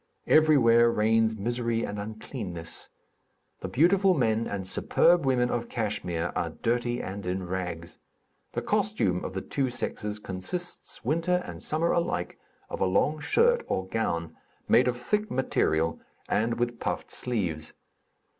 Everywhere reigns misery and uncleanness. The beautiful men and superb women of Kachmyr are dirty and in rags. The costume of the two sexes consists, winter and summer alike, of a long shirt, or gown, made of thick material and with puffed sleeves.